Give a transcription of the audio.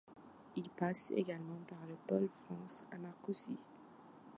Il passe également par le pôle France à Marcoussis.